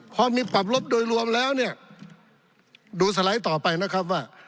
พอมีความลบโดยรวมแล้วเนี่ยดูสไลด์ต่อไปนะครับว่า